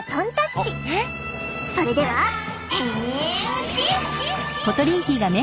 それでは変身！